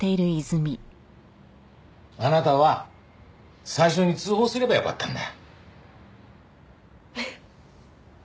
あなたは最初に通報すればよかったんだ。